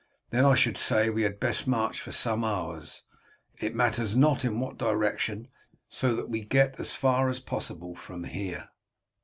Then I should say we had best march for some hours. It matters not in what direction so that we get as far as possible from here."